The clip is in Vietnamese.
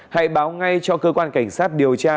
hãy báo ngay cho cơ quan cảnh sát điều tra